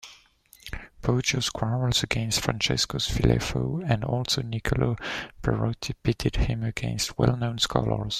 Poggio's quarrels against Francesco Filelfo and also Niccolo Perotti pitted him against well-known scholars.